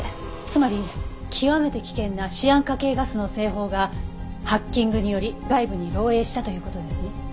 つまり極めて危険なシアン化系ガスの製法がハッキングにより外部に漏洩したという事ですね？